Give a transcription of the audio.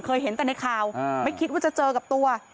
เห็นแต่ในข่าวไม่คิดว่าจะเจอกับตัว